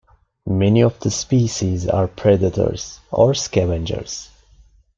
Many of the species are predators or scavengers.